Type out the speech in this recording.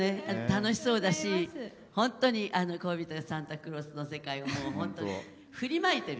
楽しそうだし、本当に「恋人がサンタクロース」の世界を振りまいてる。